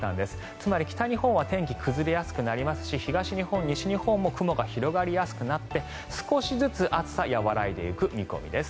つまり北日本は天気が崩れやすくなりますし東日本、西日本も雲が広がりやすくなって少しずつ暑さ和らいでいく見込みです。